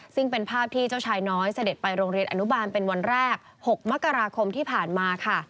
ซึ่งเป็นภาพที่เจ้าชายน้อยเสด็จไปโรงเรียนอนุบาลเป็นวันแรก๖มกราคมที่ผ่านมาค่ะ